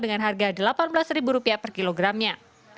dengan harga rp delapan belas per kilogramnya